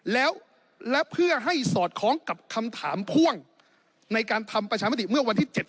แล้วและเพื่อให้สอดคล้องกับคำถามพ่วงในการทำประชามติเมื่อวันที่๗